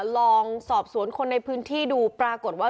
ลองสอบสวนคนในพื้นที่ดูปรากฏว่า